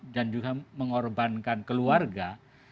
dan juga mengorbankan keluarga